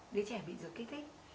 bé bị ruột kích thích